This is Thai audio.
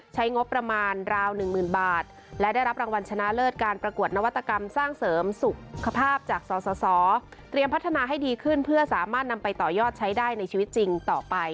ใช้งบประมาณราว๑หมื่นบาท